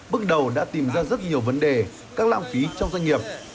bước đầu đã tìm ra rất nhiều vấn đề các lãng phí trong doanh nghiệp